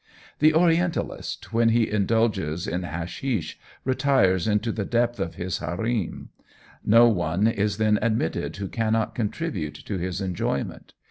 "The Orientalist, when he indulges in hashish retires into the depth of his harem; no one is then admitted who cannot contribute to his enjoyment.